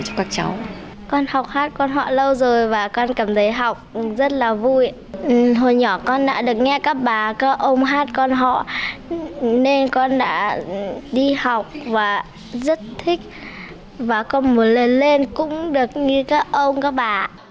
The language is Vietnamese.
con học hát quan họ lâu rồi và con cảm thấy học rất là vui hồi nhỏ con đã được nghe các bà các ông hát quan họ nên con đã đi học và rất thích và con muốn lên lên cũng được như các ông các bà